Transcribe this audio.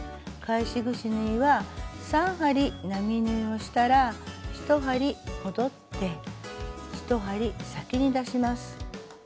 返しぐし縫いは３針並縫いをしたら１針戻って１針先に出します。